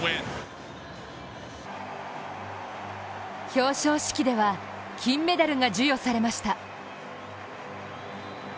表彰式では金メダルが授与されました。